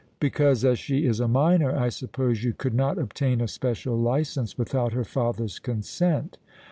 "Because, as she is a minor, I suppose you could not obtain a special licence without her father's consent."